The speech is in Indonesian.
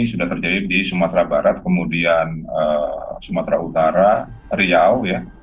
sudah terjadi di sumatera barat kemudian sumatera utara riau ya